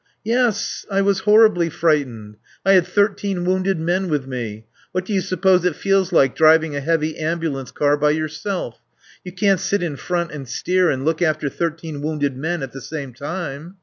"Yes, I was horribly frightened. I had thirteen wounded men with me. What do you suppose it feels like, driving a heavy ambulance car by yourself? You can't sit in front and steer and look after thirteen wounded men at the same time.